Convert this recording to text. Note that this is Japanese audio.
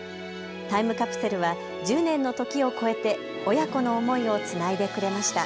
タイムカプセルは１０年の時を超えて親子の思いをつないでくれました。